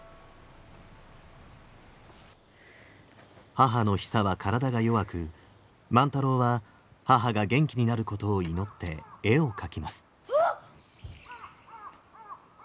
母のヒサは体が弱く万太郎は母が元気になることを祈って絵を描きます。